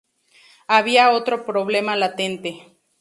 Había otro problema latente.